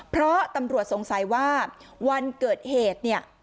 เพราะตำรวจสงสัยว่าวันเกิดเหตุเนี่ย